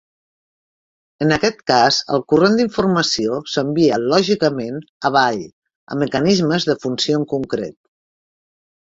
En aquest cas el corrent d'informació s'envia lògicament "avall" a mecanismes de funció en concret.